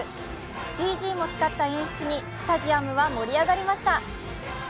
ＣＧも使った演出にスタジアムは盛り上がりました。